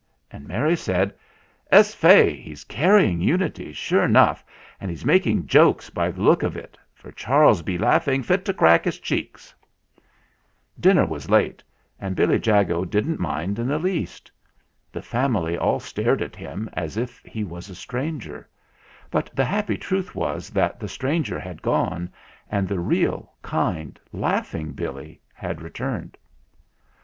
And Mary said : THE RECOVERY OF MR. JAGO 175 "Ess fay, he's carrying Unity, sure enough, and he's making jokes by the look of it, for Charles be laughing fit to crack his cheeks !" Dinner was late, and Billy Jago didn't mind in the least. The family all stared at him, as if he was a stranger ; but the happy truth was that the stranger had gone and the real, kind, laughing Billy had returned.